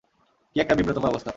কি একটা বিব্রতকর অবস্থা।